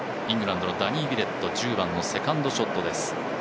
イングランドのダニー・ウィレット１０番のセカンドショットです。